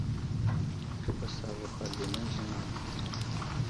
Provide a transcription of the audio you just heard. Kə ɓes avuh aviyenene ziŋ a ?